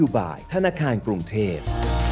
จบการโรงแรมจบการโรงแรม